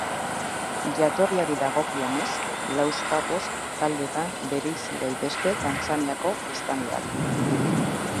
Jatorriari dagokionez, lauzpabost taldetan bereizi daitezke Tanzaniako biztanleak.